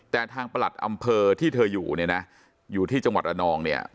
แต่ทางประหลัดอำเภอที่เธออยู่เนี่ยนะอยู่ที่จังหวัดระนองเนี่ย